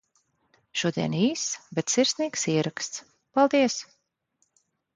Šodien īss, bet sirsnīgs ieraksts. Paldies!